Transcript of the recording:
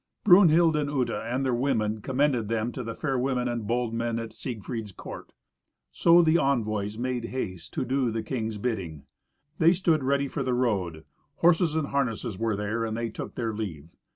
Brunhild and Uta, and their women, commended them to the fair women and the bold men at Siegfried's court. So the envoys made haste to do the king's bidding. They stood ready for the road; horses and harness were there, and they took their leave.